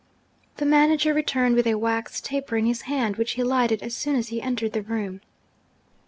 The manager returned with a wax taper in his hand, which he lighted as soon as he entered the room.